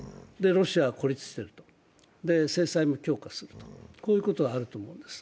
ロシアは孤立している、制裁も強化するということがあると思います。